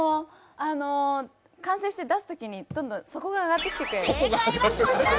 完成して出すときにどんどん底が上がってきてくれる。